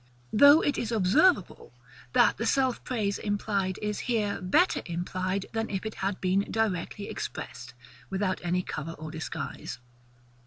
Though it is observable, that the self praise implied is here better implied, than if it had been directly expressed, without any cover or disguise.